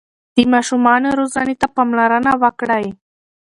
د ماشومانو روزنې ته پاملرنه وکړئ.